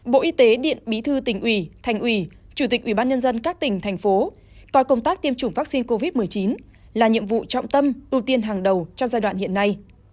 bộ y tế điện bí thư tỉnh ủy thành ủy chủ tịch ủy ban nhân dân các tỉnh thành phố coi công tác tiêm chủng vaccine covid một mươi chín là nhiệm vụ trọng tâm ưu tiên hàng đầu cho giai đoạn hiện nay